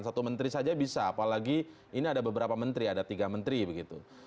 satu menteri saja bisa apalagi ini ada beberapa menteri ada tiga menteri begitu